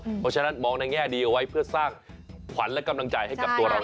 เพราะฉะนั้นมองในแง่ดีเอาไว้เพื่อสร้างขวัญและกำลังใจให้กับตัวเรา